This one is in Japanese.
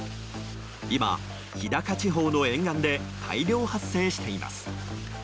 今、日高地方の沿岸で大量発生しています。